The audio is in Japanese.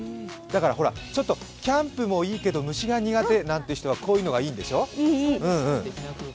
ちょっとキャンプもいいけど虫が苦手なんて人はこういうのがいいんでしょ？